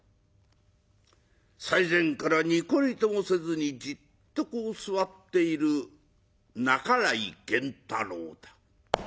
最前からニコリともせずにじっとこう座っている半井源太郎だ。